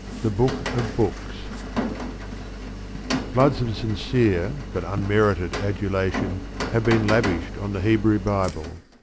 THE BOOK OF BOOKS Floods of sincere, but unmerited, adulation have been lavished on the Hebrew Bible.